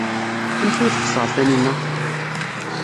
Amek ay texṣer Taninna?